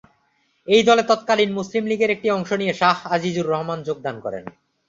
এই দলে তৎকালীন মুসলিম লীগের একটি অংশ নিয়ে শাহ আজিজুর রহমান যোগদান করেন।